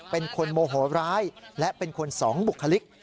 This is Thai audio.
เป็นคนโมโหร้ายและเป็นคนสองบุคลิก